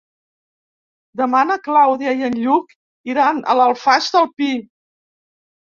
Demà na Clàudia i en Lluc iran a l'Alfàs del Pi.